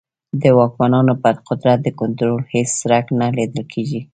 د واکمنانو پر قدرت د کنټرول هېڅ څرک نه لیدل کېږي.